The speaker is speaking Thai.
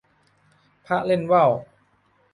พระเล่นว่าว